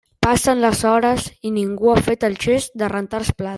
Passen les hores i ningú ha fet el gest de rentar els plats.